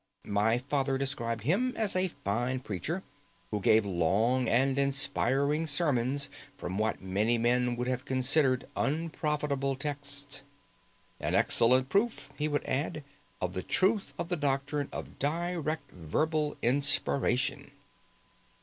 My father described him as a fine preacher, who gave long and inspiring sermons from what many men would have considered unprofitable texts. "An excellent proof," he would add, "of the truth of the doctrine of direct verbal inspiration."